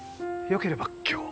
よければ今日。